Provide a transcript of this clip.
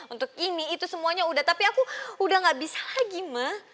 untuk ini itu semuanya udah tapi aku udah gak bisa lagi mah